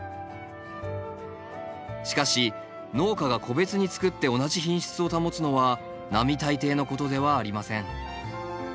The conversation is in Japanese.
しかし農家が個別につくって同じ品質を保つのは並大抵のことではありません。